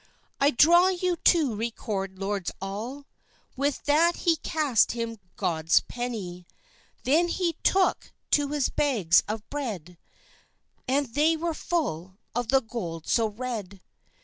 "I draw you to recorde, lords all:" With that he cast him god's penny; Then he tooke to his bags of bread, And they were full of the gold so red.